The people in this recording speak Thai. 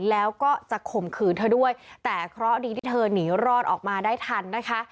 แล้วก็จะข่มขืนเธอด้วยแต่เคราะห์ดีที่เธอหนีรอดออกมาได้ทันนะคะ